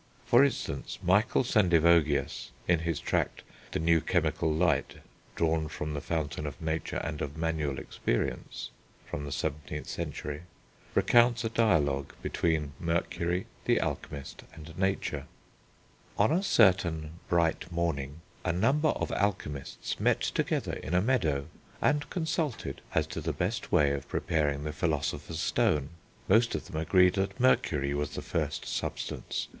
For instance, Michael Sendivogius, in his tract, The New Chemical Light drawn from the Fountain of Nature and of Manual Experience (17th century), recounts a dialogue between Mercury, the Alchemist, and Nature. "On a certain bright morning a number of Alchemists met together in a meadow, and consulted as to the best way of preparing the Philosopher's Stone.... Most of them agreed that Mercury was the first substance.